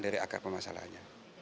dari akar pemasalahannya